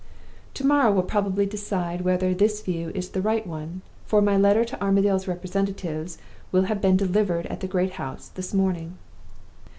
To morrow will probably decide whether this view is the right one, for my letter to Armadale's representatives will have been delivered at the great house this morning.